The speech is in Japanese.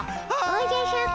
おじゃシャク。